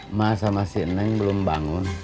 emak sama si neng belum bangun